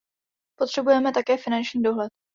Potřebujeme také finanční dohled.